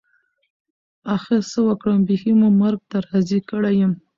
اخر څه وکړم بيخي مو مرګ ته راضي کړى يم.